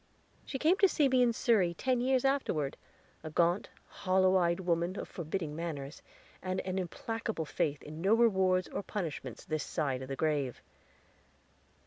She came to see me in Surrey ten years afterward, a gaunt, hollow eyed woman, of forbidding manners, and an implacable faith in no rewards or punishments this side of the grave.